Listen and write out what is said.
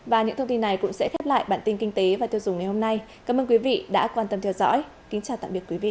và những thông tin này cũng sẽ khép lại bản tin kinh tế và tiêu dùng ngày hôm nay cảm ơn quý vị đã quan tâm theo dõi kính chào tạm biệt quý vị